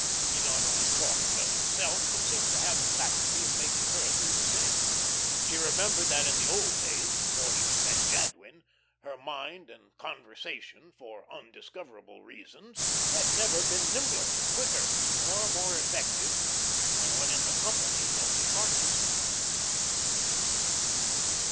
He not only talked well himself, but seemed to have the faculty of making her do the same. She remembered that in the old days, before she had met Jadwin, her mind and conversation, for undiscoverable reasons, had never been nimbler, quicker, nor more effective than when in the company of the artist.